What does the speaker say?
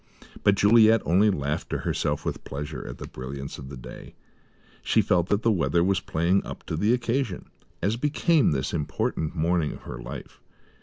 But Juliet only laughed to herself with pleasure at the brilliancy of the day. She felt that the weather was playing up to the occasion, as became this important morning of her life.